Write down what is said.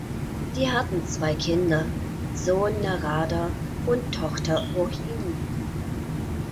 Sie hatten zwei Kinder, Sohn Narada und Tochter Rohini.